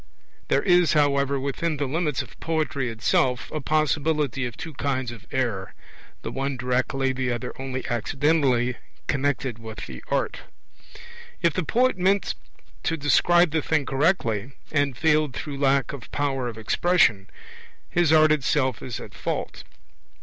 There is, however, within the limits of poetry itself a possibility of two kinds of error, the one directly, the other only accidentally connected with the art. If the poet meant to describe the thing correctly, and failed through lack of power of expression, his art itself is at fault.